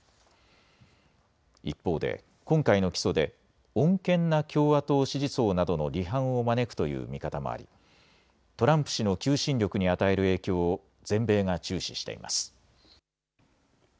一方で、今回の起訴で、穏健な共和党支持層などの離反を招くという見方もあり、トランプ氏の求心力に与える影響を全米が注視しています。